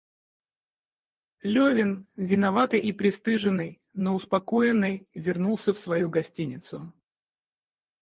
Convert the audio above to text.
Левин, виноватый и пристыженный, но успокоенный, вернулся в свою гостиницу.